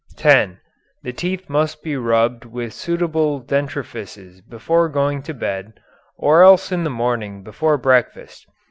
(10) The teeth must be rubbed with suitable dentrifices before going to bed, or else in the morning before breakfast.